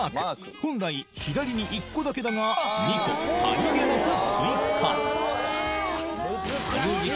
本来左に１個だけだが２個さりげなく追加作業時間